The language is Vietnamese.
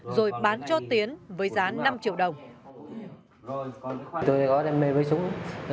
rồi bán cho tiến với giá năm triệu đồng